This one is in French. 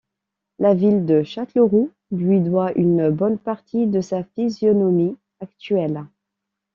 La ville de Châtellerault lui doit une bonne partie de sa physionomie actuelle.